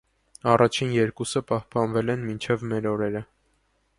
Առաջին երկուսը պահպանվել են մինչև մեր օրերը։